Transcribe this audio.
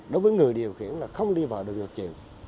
đối với người điều khiển là không đi vào đường ngược chiều